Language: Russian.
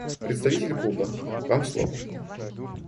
Представитель Кубы, Вам слово.